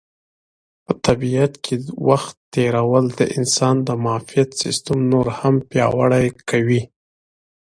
په طبیعت کې وخت تېرول د انسان د معافیت سیسټم نور هم پیاوړی کوي.